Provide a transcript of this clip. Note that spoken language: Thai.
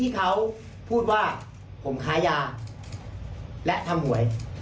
เขาพูดว่าผมค้ายาและทำหวย